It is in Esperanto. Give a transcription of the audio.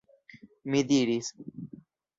Mi diris.